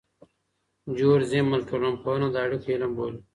جورج زیمل ټولنپوهنه د اړیکو علم بولي.